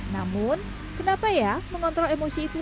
namun kenapa ya mengontrol emosi itu